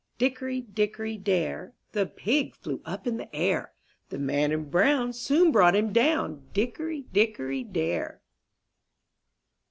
T^ICKORY, dickory, dare, ^^ The pig flew up in the air ; The man in brown soon brought him down, Dickory, dickory, dare.